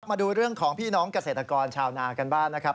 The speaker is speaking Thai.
มาดูเรื่องของพี่น้องเกษตรกรชาวนากันบ้างนะครับ